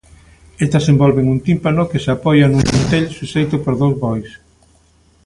Estas envolven un tímpano que se apoia nun lintel suxeito por dous bois.